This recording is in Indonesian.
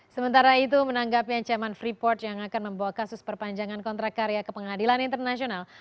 sementara itu menanggapi ancaman freeport yang akan membawa kasus perpanjangan kontrak karya ke pengadilan internasional